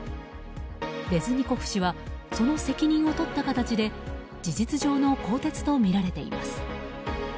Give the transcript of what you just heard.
レズニコフ氏はその責任を取った形で事実上の更迭とみられています。